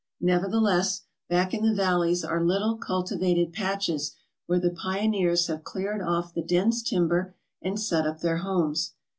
Nevertheless, back in the valleys are little cultivated patches where the pioneers have cleared off the dense timber and set up their homes.